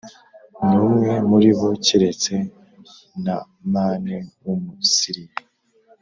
n umwe muri bo keretse Namani w Umusiriya